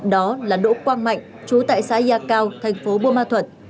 đó là đỗ quang mạnh trú tại xã gia cao thành phố bùa ma thuật